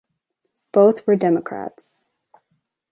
Both were Democrats.